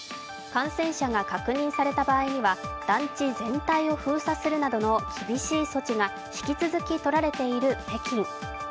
感染者が確認された場合には、団地全体を封鎖するなどの厳しい措置が引き続きとられている北京。